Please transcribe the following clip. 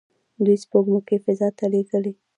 دوی سپوږمکۍ فضا ته لیږلي.